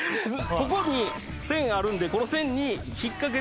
ここに線があるんでこの線に引っかけて。